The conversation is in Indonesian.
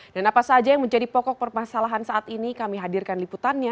dan apa saja yang menjadi pokok permasalahan saat ini kami hadirkan liputannya